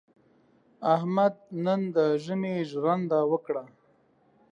احمد نن د ژمي ژرنده وکړه.